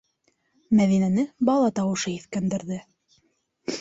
- Мәҙинәне бала тауышы һиҫкәндерҙе.